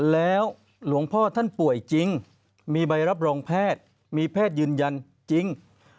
แล้วหลวงพ่อท่านป่วยจริงมีใบรับรองแพทย์มีแพทย์ยืนยันจริง